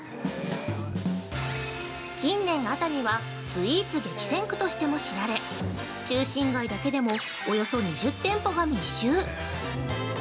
◆近年、熱海はスイーツ激戦区としても知られ、中心街だけでもおよそ２０店舗が密集！